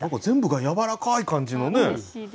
全部がやわらかい感じのね